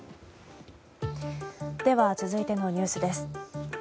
では続いてのニュースです。